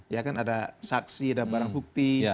ya kan ada saksi ada barang bukti